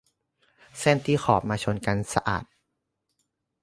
เส้นที่ขอบมาชนกันสะอาด